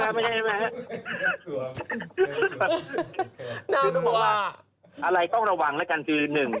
อะไรก็ต้องระวังด้วยกันคือนึง